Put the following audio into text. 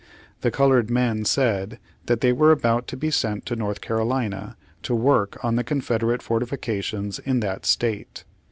The colored men said that they were about to be sent to North Carolina to work on the Confed erate fortifications in that State.